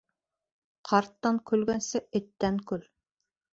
Ҡарттан көлгәнсе, эттән көл.